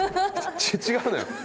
違うのよ。